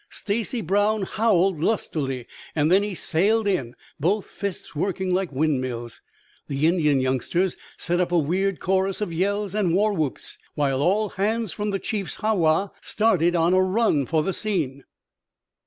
Stacy Brown howled lustily, then he sailed in, both fists working like windmills. The Indian youngsters set up a weird chorus of yells and war whoops, while all hands from the chief's ha wa started on a run for the scene.